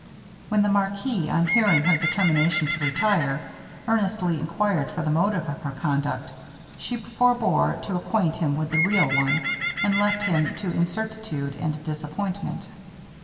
When the marquis, on hearing her determination to retire, earnestly enquired for the motive of her conduct, she forbore to acquaint him with the real one, and left him to incertitude and disappointment.